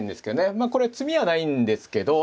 まあこれ詰みはないんですけど。